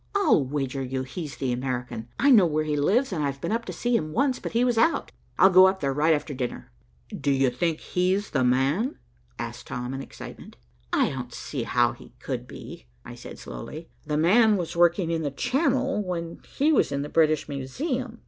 I'll wager you he's the American. I know where he lives and I've been up to see him once, but he was out. I'll go up there right after dinner." "Do you think he's 'the man'?" asked Tom in excitement. "I don't see how he could be," I said slowly. "'The man' was working in the Channel, when he was in the British Museum.